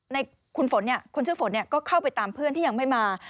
ในคุณฝนคนชื่อฝนก็เข้าไปตามเพื่อนที่ยังไม่มา